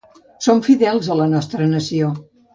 Som fidels a la nostra nació.